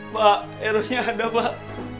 pak eh rosnya ada pak